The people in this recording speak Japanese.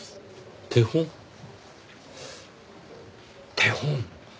手本手本。